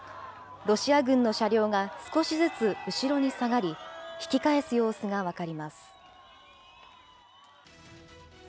ロシア軍の車両が少しずつ後ろに下がり、引き返す様子が分かります。